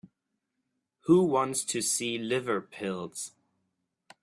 Who wants to see liver pills?